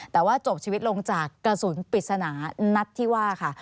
แต่ว่าจบชีวิตลงจากกระสุนปริศนานัดที่ว่าค่ะ